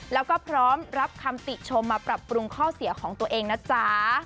แล้วก็พร้อมรับคำติชมมาปรับปรุงข้อเสียของตัวเองนะจ๊ะ